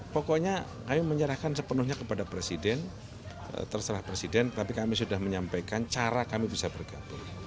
pokoknya kami menyerahkan sepenuhnya kepada presiden terserah presiden tapi kami sudah menyampaikan cara kami bisa bergabung